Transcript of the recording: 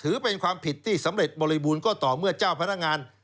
ถือเป็นความผิดที่สำเร็จบริบูรณ์ก็ต่อเมื่อเจ้าพนักงาน